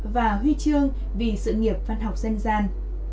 và huy chương vì sự nghiệp văn học dân gian